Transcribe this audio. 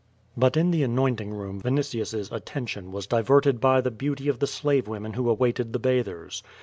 But in the anointing room Vinitius's attention was di verted by the beauty of the slave women who awaited the bathers.